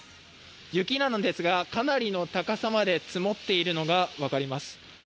雪なんですが、かなりの高さまで積もっているのが分かります。